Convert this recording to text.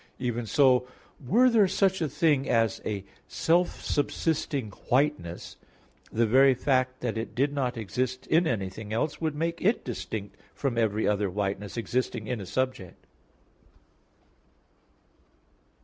Even so, were there such a thing as a self subsisting whiteness, the very fact that it did not exist in anything else, would make it distinct from every other whiteness existing in a subject.